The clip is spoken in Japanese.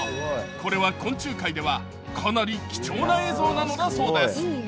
これは昆虫界では、かなり貴重な映像なのだそうです。